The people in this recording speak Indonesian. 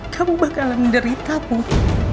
kamu bakalan menderita put